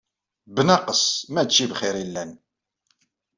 Bnaqes, mačči bxir i llan.